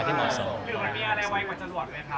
เดี๋ยวเราพูดถึงความสำคัญของคุณตอนนี้นะครับ